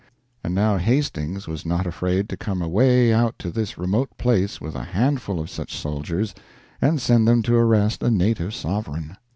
And now Hastings was not afraid to come away out to this remote place with a handful of such soldiers and send them to arrest a native sovereign.